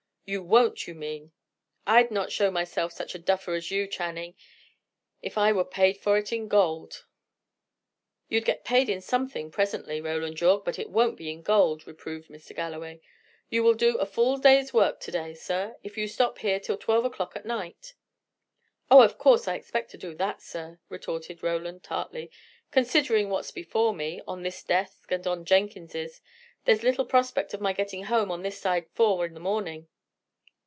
"You won't, you mean! I'd not show myself such a duffer as you, Channing, if I were paid for it in gold!" "You'll get paid in something, presently, Roland Yorke, but it won't be in gold!" reproved Mr. Galloway. "You will do a full day's work to day, sir, if you stop here till twelve o'clock at night." "Oh, of course I expect to do that, sir," retorted Roland, tartly. "Considering what's before me, on this desk and on Jenkins's, there's little prospect of my getting home on this side four in the morning.